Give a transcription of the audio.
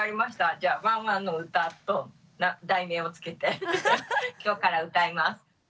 じゃあ「わんわんの歌」と題名をつけて今日から歌います。